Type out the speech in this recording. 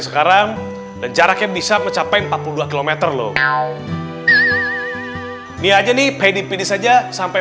sekarang dan jaraknya bisa mencapai empat puluh dua km loh ini aja nih pede pedesh aja sampai